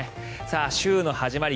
週の始まり